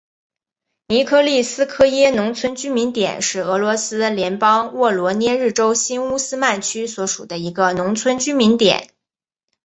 尼科利斯科耶农村居民点是俄罗斯联邦沃罗涅日州新乌斯曼区所属的一个农村居民点。